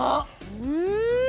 うん！